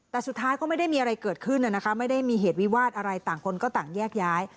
แต่สุดท้ายก็ไม่ได้มีอะไรเกิดขึ้นนะคะไม่ได้มีเหตุวิวาสอะไรต่างคนก็ต่างแยกย้าย